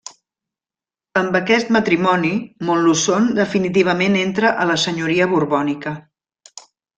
Amb aquest matrimoni, Montluçon definitivament entra a la senyoria borbònica.